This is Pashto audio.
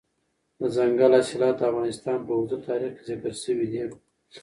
دځنګل حاصلات د افغانستان په اوږده تاریخ کې ذکر شوی دی.